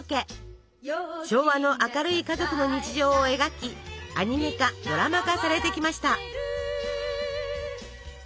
昭和の明るい家族の日常を描きアニメ化ドラマ化されてきました。